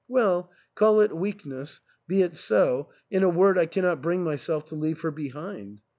Well, call it weakness — be it so ; in a word, I cannot bring myself to leave her behind.